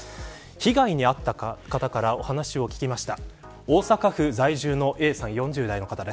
被害に遭った方から話を聞きました。